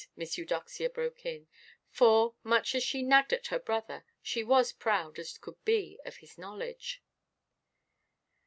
Miss Eudoxia broke in; for, much as she nagged at her brother, she was proud as could be of his knowledge.